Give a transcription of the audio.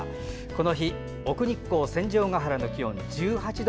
この日奥日光戦場ヶ原の気温は１８度。